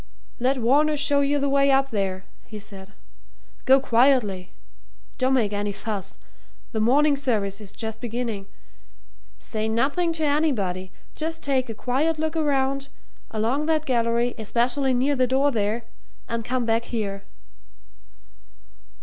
"Let Varner show you the way up there," he said. "Go quietly don't make any fuss the morning service is just beginning. Say nothing to anybody just take a quiet look around, along that gallery, especially near the door there and come back here."